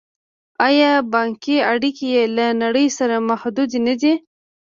آیا بانکي اړیکې یې له نړۍ سره محدودې نه دي؟